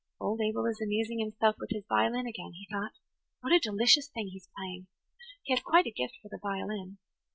"Old Abel is amusing himself with his violin again," he thought. "What a delicious thing he is playing! He has quite a gift for the violin.